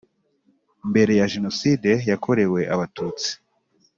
mbere ya jenoside yakorewe abatutsi